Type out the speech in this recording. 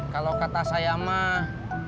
kalau kata saya mah